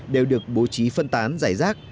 đều được bố trí phân tán giải rác